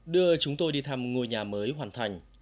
đưa chúng tôi đi thăm ngôi nhà mới hoàn thành